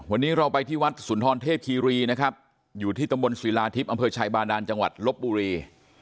วันนี้เราไปที่วัดสุนทรเทพคีรีนะครับอยู่ที่ตำบลศิลาทิพย์อำเภอชายบาดานจังหวัดลบบุรี